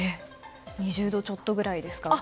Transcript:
２０度ちょっとくらいですか？